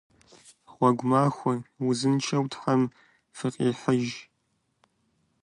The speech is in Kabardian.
Гъуэгу махуэ! Узыншэу Тхьэм фыкъихьыж.